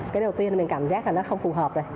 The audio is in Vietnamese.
cái đầu tiên là mình cảm giác là nó không phù hợp rồi